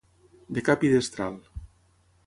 De cap i destral.